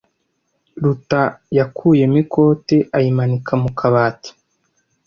Ruta yakuyemo ikote ayimanika mu kabati.